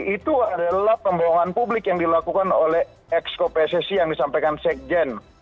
itu adalah pembohongan publik yang dilakukan oleh exco pssi yang disampaikan sekjen